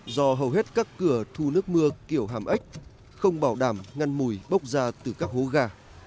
do hầu hết các cửa thu nước mưa kiểu hàm ếch không bảo đảm ngăn mùi bốc ra từ các hố ga